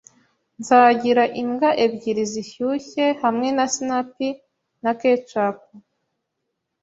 Nzagira imbwa ebyiri zishyushye hamwe na sinapi na ketchup.